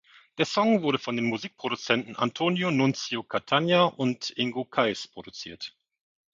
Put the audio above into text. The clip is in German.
Der Song wurde von den Musikproduzenten Antonio Nunzio Catania und Ingo Kays produziert.